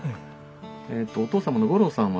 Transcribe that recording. えっとお父様の五郎さんは？